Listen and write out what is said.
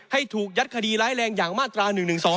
ให้ถูกยัดคดีร้ายแรงอย่างมาตรา๑๑๒